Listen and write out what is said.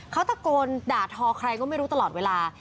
เขาตะโกนด่าทอใครก็ไม่รู้ตลอดเวลา